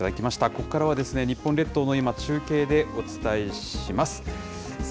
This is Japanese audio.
ここからは、日本列島の今、中継でお伝えします。